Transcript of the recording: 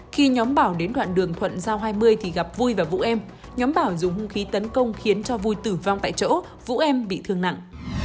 khi nhóm bảo đến đoạn đường thuận giao hai mươi thì gặp vui và vũ em nhóm bảo dùng hung khí tấn công khiến cho vui tử vong tại chỗ vũ em bị thương nặng